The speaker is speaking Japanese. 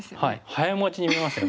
早い者勝ちに見えますよね。